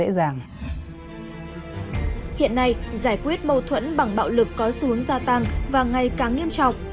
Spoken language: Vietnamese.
hiện nay giải quyết mâu thuẫn bằng bạo lực có xuống gia tăng và ngày càng nghiêm trọng